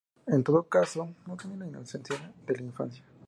En todo caso, no tiene la inocencia de la infancia.